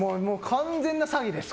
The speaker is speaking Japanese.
完全な詐欺ですよ。